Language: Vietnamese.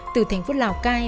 từ thành phố lào cai